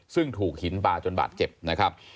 ซึ่งถูกหินบาจนบาดเจ็บนะครับ